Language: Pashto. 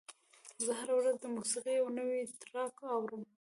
زه هره ورځ د موسیقۍ یو نوی ټراک اورم.